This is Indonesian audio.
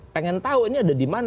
pengen tahu ini ada di mana